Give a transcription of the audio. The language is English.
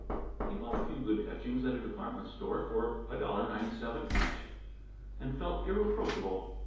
He bought a few good etchings at a department store for $1.97 each, and felt irreproachable.